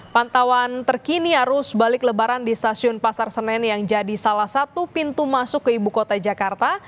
pantauan terkini arus balik lebaran di stasiun pasar senen yang jadi salah satu pintu masuk ke ibu kota jakarta